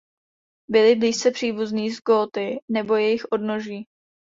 Byli blízce příbuzní s Góty nebo jejich odnoží.